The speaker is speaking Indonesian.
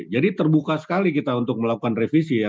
jadi terbuka sekali kita untuk melakukan revisi ya